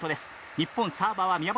日本サーバーは宮本。